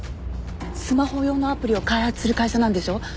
スマホ用のアプリを開発する会社なんでしょ？